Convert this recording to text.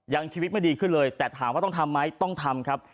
ชีวิตไม่ดีขึ้นเลยแต่ถามว่าต้องทำไหมต้องทำครับ